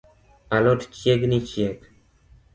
A lot chiegni chiek